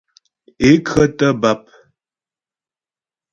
Ě khə́tə̀ bàp.